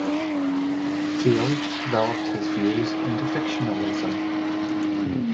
Field developed his views into fictionalism.